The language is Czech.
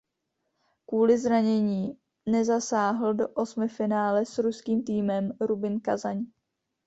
Kvůli zranění nezasáhl do osmifinále s ruským týmem Rubin Kazaň.